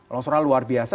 longsorannya luar biasa